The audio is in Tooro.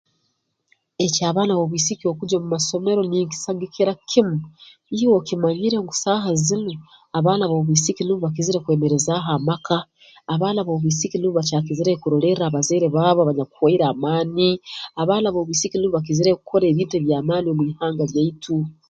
Eky'abaana b'obwisiki okugya omu masomero ninkisagikira kimu iwe okimanyire ngu saaha zinu abaana b'obwisiki nubo bakizire kwemerezaaho amaka abaana b'obwisiki nubo bakyakizireyo kurolerra abazaire baabo abanyakuhwaire amaani abaana ab'obwisiki nubo bakizireyo kukora ebintu eby'amaani omu ihanga lyaitu